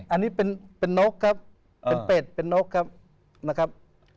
อันนี้เป็นนกครับเป็นเป็ดเป็นนกครับนะครับ